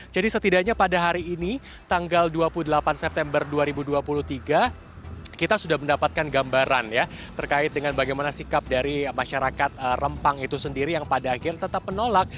jadi setidaknya pada hari ini tanggal dua puluh delapan september dua ribu dua puluh tiga kita sudah mendapatkan gambaran ya terkait dengan bagaimana sikap dari masyarakat rempang itu sendiri yang pada akhir tetap menolak